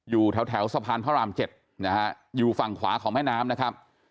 อยู่แถวสะพานพระราม๗นะฮะอยู่ฝั่งขวาของแม่น้ำนะครับ